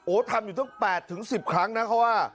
โอ้ทำอยู่ทั้ง๘๑๐ครั้งนะครับว่า